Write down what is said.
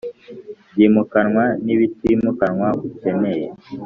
byimukanwa n ibitimukanwa ukeneye